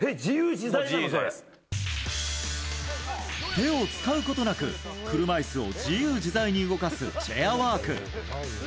手を使うことなく車いすを自由自在に動かすチェアワーク。